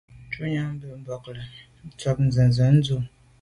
Shutnyàm be bole, ntshob nzenze ndù.